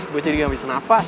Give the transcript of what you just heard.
gue jadi gak bisa nafas